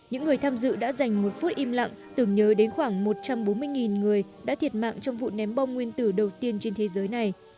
những người tham dự đã dành một phút im lặng tưởng nhớ đến khoảng một trăm bốn mươi người đã thiệt mạng trong vụ ném bom nguyên tử đầu tiên trên thế giới này